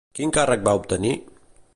Quin càrrec va obtenir?